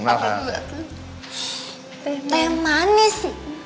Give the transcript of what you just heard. namanya teh manis